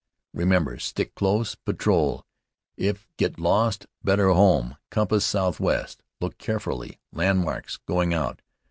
Remember stick close patrol. If get lost, better home. Compass southwest. Look carefully landmarks going out.